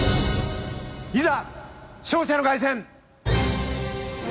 いざ勝者の凱旋！